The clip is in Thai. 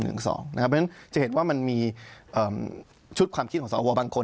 เพราะฉะนั้นจะเห็นว่ามันมีชุดความคิดของสวบางคน